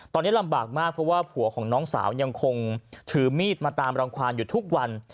ตอนนี้ลำบากมากเพราะว่าผัวของน้องสาวยังคงถือมีดมาตามรังความอยู่ทุกวัน